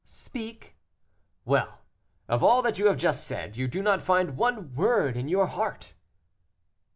"Speak!" "Well! of all that you have just said, you do not find one word in your heart."